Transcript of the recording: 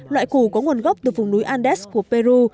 loại củ có nguồn gốc từ vùng núi andes của peru